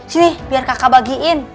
sini biar kakak bagiin